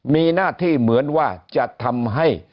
มีหน้าที่เหมือนว่าจะทำให้